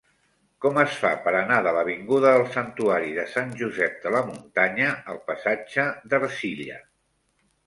Com es fa per anar de l'avinguda del Santuari de Sant Josep de la Muntanya al passatge d'Ercilla?